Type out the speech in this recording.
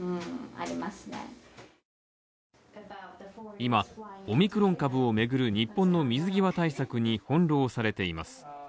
今、オミクロン株をめぐる日本の水際対策に翻弄されています。